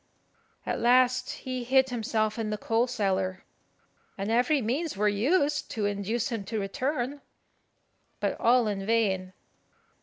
At last he hid himself in the coal cellar, and every means were used to induce him to return, but all in vain.